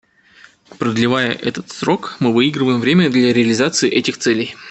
Продлевая этот срок, мы выигрываем время для реализации этих целей.